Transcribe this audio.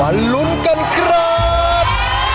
มารุ้นกันครับ